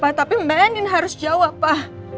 pa tapi mba anin harus jawab pa